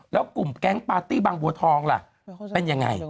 แล้วกลุ่มแก๊งปาร์ตี้บางบัวทองล่ะเป็นยังไง